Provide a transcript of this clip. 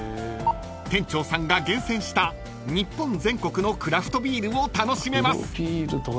［店長さんが厳選した日本全国のクラフトビールを楽しめます］